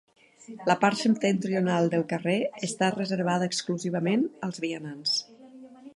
La part septentrional del carrer està reservada exclusivament als vianants.